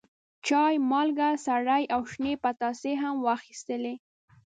چای، مالګه، سرې او شنې پتاسې هم واخیستلې.